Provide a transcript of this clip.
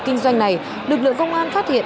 kinh doanh này lực lượng công an phát hiện